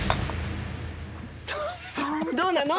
どうなの？